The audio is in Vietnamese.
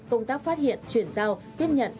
công tác phát hiện truyền giao tiếp nhận